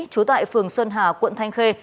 chú tại phường xuân hà quận thanh khê